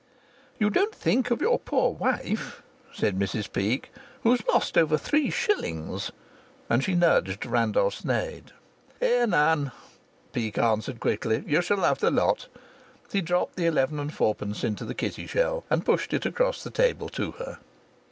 "You don't think of your poor wife," said Mrs Peake, "who's lost over three shillings," and she nudged Randolph Sneyd. "Here, Nan," Peake answered quickly. "You shall have the lot." He dropped the eleven and fourpence into the kitty shell, and pushed it across the table to her.